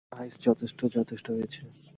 আইস, যথেষ্ট, যথেষ্ট হয়েছে!